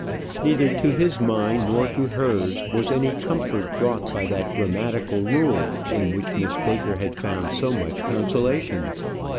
Neither to his mind nor to hers was any comfort brought by that grammatical rule in which Miss Baker had found so much consolation.